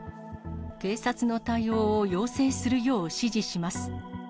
警察の対応を要請するよう指示します。